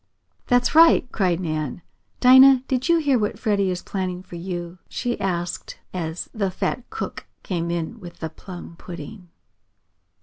"That's right!" cried Nan. "Dinah, did you hear what Freddie is planning for you?" she asked as the fat cook came in with the plum pudding.